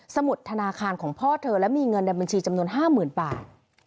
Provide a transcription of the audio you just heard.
มุดธนาคารของพ่อเธอและมีเงินในบัญชีจำนวน๕๐๐๐บาท